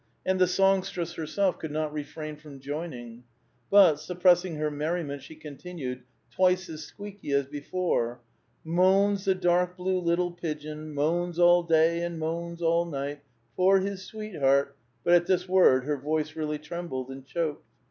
And the songstress herself could not refrain from joining ; but, suppressing her merriment, she continued, twice as squeaky as before :—" Moans the dark blue little pigeon,^ Moans all day and moans all night For his sweetheart —" But at this word her voice really trembled and choked.